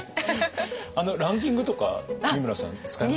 ランキングとか美村さん使います？